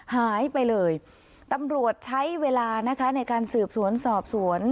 หายไปเลยตำรวจใช้เวลานะคะในการสืบสวนสอบสวน